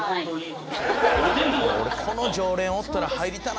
この常連おったら入りたないな